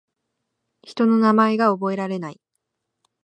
人の名前が覚えられない